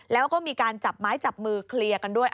แล้วก็มีการจับไม้จับมือเคลียร์กันด้วย